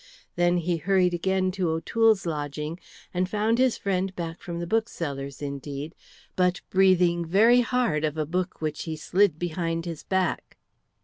Then he hurried again to O'Toole's lodging, and found his friend back from the bookseller's indeed, but breathing very hard of a book which he slid behind his back.